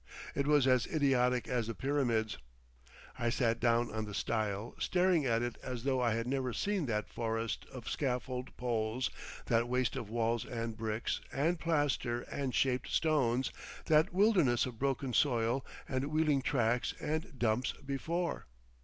It was as idiotic as the pyramids. I sat down on the stile, staring at it as though I had never seen that forest of scaffold poles, that waste of walls and bricks and plaster and shaped stones, that wilderness of broken soil and wheeling tracks and dumps before.